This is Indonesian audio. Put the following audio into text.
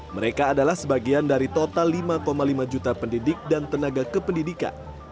mereka adalah sebagian dari total lima lima juta pendidik dan tenaga kependidikan